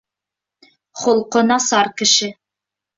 Холҡо насар кешене